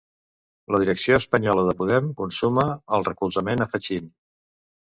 La direcció espanyola de Podem consuma el recolzament a Fachín.